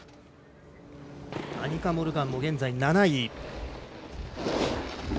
アニカ・モルガンも現在７位。